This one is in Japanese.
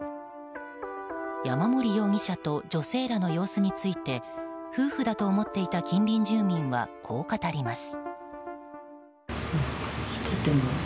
山森容疑者と女性らの様子について夫婦だと思っていた近隣住民はこう語ります。